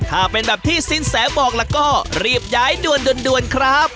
ถ้าเป็นแบบที่สินแสบอกล่ะก็รีบย้ายด่วนครับ